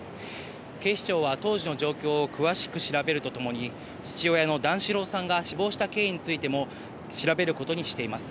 警視庁は当時の状況を詳しく調べるとともに、父親の段四郎さんが死亡した経緯についても調べることにしています。